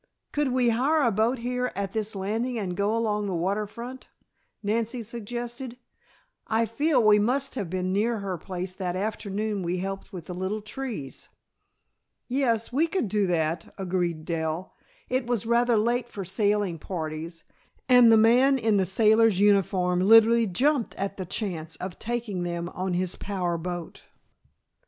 "Could we hire a boat here at this landing and go along the water front?" Nancy suggested. "I feel we must have been near her place that afternoon we helped with the little trees." "Yes, we could do that," agreed Dell. It was rather late for sailing parties, and the man in the sailor's uniform literally jumped at the chance of taking them on his power boat.